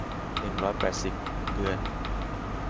หนึ่งร้อยแปดสิบ เดือน